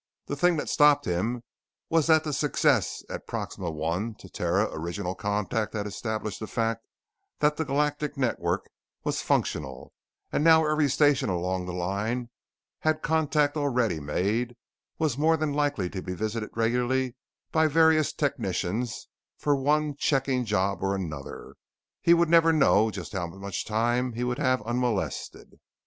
The thing that stopped him was that the success at the Proxima I to Terra original contact had established the fact that the Galactic Network was functional, and now every station along the line that had contact already made was more than likely to be visited regularly by various technicians for one checking job or another. He would never know just how much time he would have unmolested.